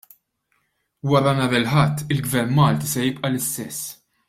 Wara nhar il-Ħadd, il-gvern Malti ser jibqa' l-istess.